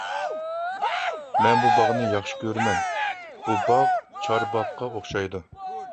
مەن بۇ باغنى ياخشى كۆرىمەن، بۇ باغ چارباغقا ئوخشايدۇ.